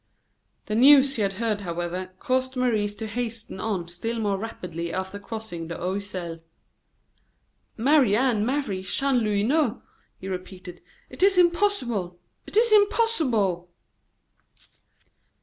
The news he had heard, however, caused Maurice to hasten on still more rapidly after crossing the Oiselle. "Marie Anne marry Chanlouineau!" he repeated; "it is impossible! it is impossible!"